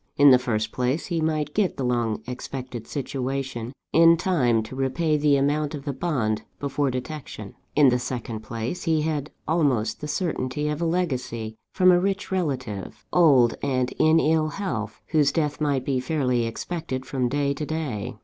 In the first place, he might get the long expected situation in time to repay the amount of the bond before detection. In the second place, he had almost the certainty of a legacy from a rich relative, old and in ill health, whose death might be fairly expected from day to day.